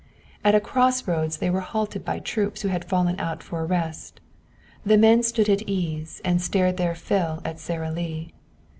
At a crossroads they were halted by troops who had fallen out for a rest. The men stood at ease, and stared their fill at Sara Lee.